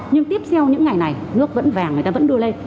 nhưng tiếp theo những ngày này nước vẫn vàng người ta vẫn đưa lên